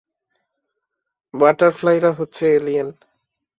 বাটারফ্লাইরা হচ্ছে এলিয়েন।